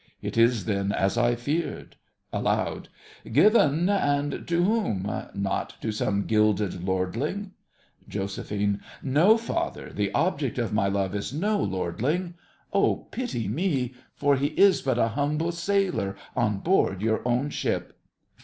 It is then as I feared. (Aloud.) Given? And to whom? Not to some gilded lordling? JOS. No, father—the object of my love is no lordling. Oh, pity me, for he is but a humble sailor on board your own ship!